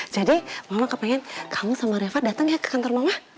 jadi mama kepengen kamu sama reva dateng ya ke kantor mama